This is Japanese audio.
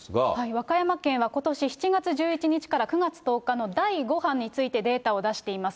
和歌山県はことし７月１１日から９月１０日の第５波についてデータを出しています。